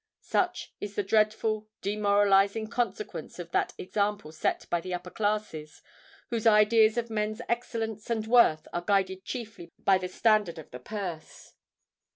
Such is the dreadful—demoralizing consequence of that example set by the upper classes, whose ideas of men's excellence and worth are guided chiefly by the standard of the purse.